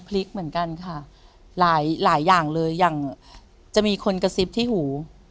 พลิกเหมือนกันค่ะหลายหลายอย่างเลยอย่างจะมีคนกระซิบที่หู